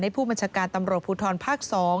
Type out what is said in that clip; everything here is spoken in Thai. ผู้บัญชาการตำรวจภูทรภาค๒